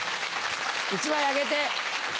１枚あげて。